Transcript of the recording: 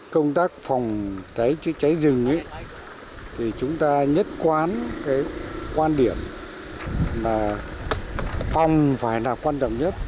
công tác phòng cháy chữa cháy rừng ấy thì chúng ta nhất quán cái quan điểm là phòng phải là quan trọng nhất